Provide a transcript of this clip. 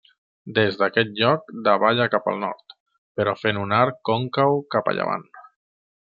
Des d'aquest lloc davalla cap al nord, però fent un arc còncau cap a llevant.